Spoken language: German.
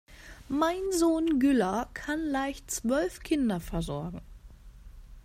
Mein Sohn Güllar kann leicht zwölf Kinder versorgen.